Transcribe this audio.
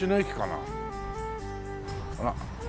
あら。